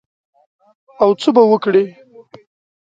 او څه به وکړې؟